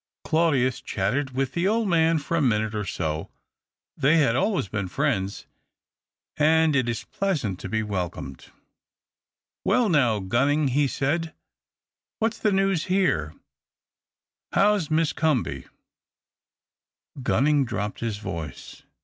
Claudius chatted with the old man for a minute or so ; they had always been friends, and it is pleasant to be welcomed. " Well, now, Gunning," he said, " what's the news here ? How's Miss Comby ?" T 274 THE OCTAVE OF CLAUDIUS. Gunning dropped his voice.